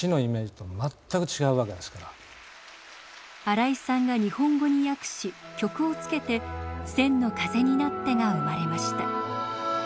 新井さんが日本語に訳し曲をつけて「千の風になって」が生まれました。